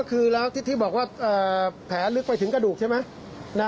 คือแล้วที่บอกว่าแผลลึกไปถึงกระดูกใช่ไหม